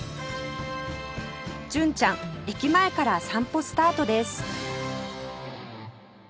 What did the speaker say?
純ちゃん駅前から散歩スタートです